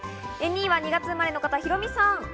２位は２月生まれの方、ヒロミさん。